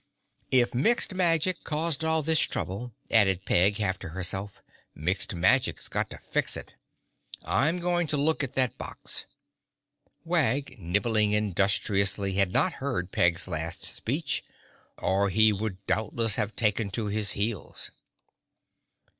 "If Mixed Magic caused all this trouble," added Peg half to herself, "Mixed Magic's got to fix it. I'm going to look at that box." Wag, nibbling industriously, had not heard Peg's last speech or he would doubtless have taken to his heels.